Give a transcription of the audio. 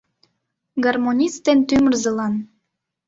Гармонист ден тӱмырзылан